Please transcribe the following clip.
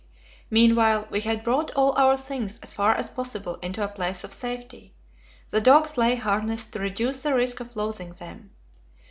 Meanwhile we had brought all our things as far as possible into a place of safety; the dogs lay harnessed to reduce the risk of losing them.